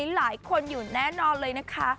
หลายคนอยู่แน่นอนเลยนะคะ